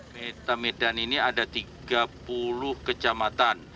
metamedan ini ada tiga puluh kecamatan